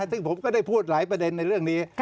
ซึ่งผมก็ได้พูดหลายประเด็นในเรื่องนี้